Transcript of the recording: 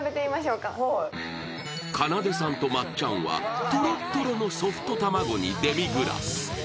かなでさんとまっちゃんは、トロトロのソフト卵にデミグラス。